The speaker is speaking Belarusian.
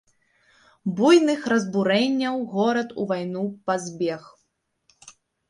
Буйных разбурэнняў горад у вайну пазбег.